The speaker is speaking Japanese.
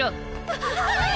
ははい！